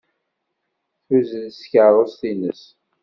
Tuzzel s tkeṛṛust-nnes.